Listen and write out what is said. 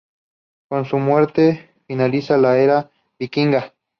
Con su muerte finaliza la era vikinga.